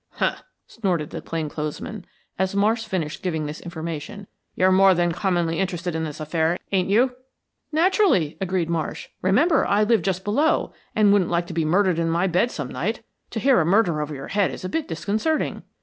"Huh!" snorted the plain clothes man, as Marsh finished giving this information. "You're more than commonly interested in this affair, ain't you?" "Naturally," agreed Marsh. "Remember, I live just below, and wouldn't like to be murdered in my bed some night. To hear a murder over your head is a bit disconcerting."